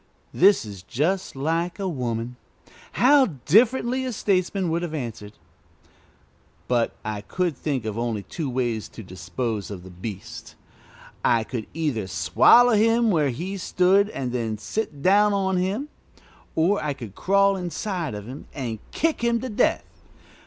This is just like a woman. How differently a statesman would have answered! But I could think of only two ways to dispose of the beast. I could either swallow him where he stood and then sit down on him, or I could crawl inside of him and kick him to death.